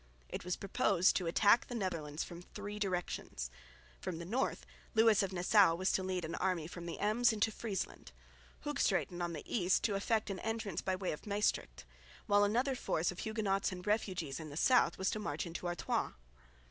It was proposed to attack the Netherlands from three directions. From the north Lewis of Nassau was to lead an army from the Ems into Friesland; Hoogstraeten on the east to effect an entrance by way of Maestricht; while another force of Huguenots and refugees in the south was to march into Artois.